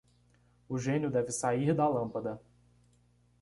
O gênio deve sair da lâmpada